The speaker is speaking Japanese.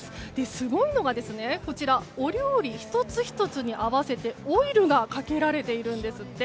すごいのが、こちらお料理１つ１つに合わせてオイルがかけられているんですって。